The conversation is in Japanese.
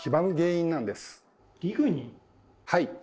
はい。